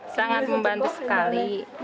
sangat membantu sekali